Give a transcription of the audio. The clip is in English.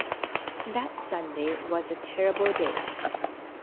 T hat Sunday was a terrible day.